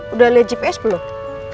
udah liat gps belum